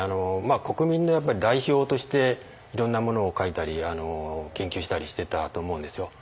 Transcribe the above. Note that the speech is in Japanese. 国民の代表としていろんなものを書いたり研究してたりしてたと思うんですよ。